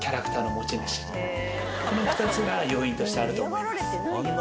この２つが要因としてあると思います。